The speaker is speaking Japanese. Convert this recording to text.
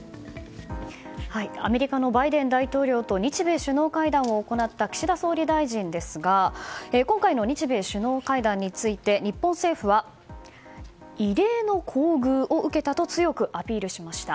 アメリカのバイデン大統領と日米首脳会談を行った岸田総理大臣ですが今回の日米首脳会談について日本政府は異例の厚遇を受けたと強くアピールしました。